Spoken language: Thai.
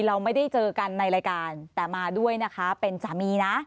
เราไม่ได้เจอกันในรายการแต่มาด้วยนะคะเป็นสามีนะ